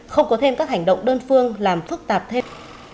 không có thêm các hành động đơn phương làm phức tạp thêm